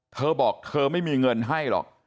เธอบอกเธอไม่มีเงินให้หรอก